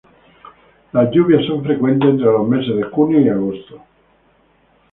Las lluvias son frecuentes entre los meses de junio y agosto.